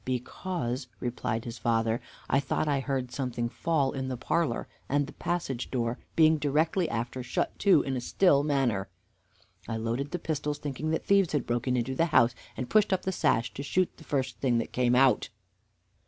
"Because," replied his father, "I thought I heard something fall in the parlor, and the passage door being directly after shut to in a still manner. I loaded the pistols, thinking that thieves had broken into the house, and pushed up the sash to shoot the first that came out."